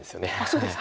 そうですか。